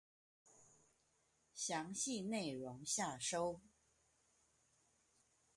詳細內容下收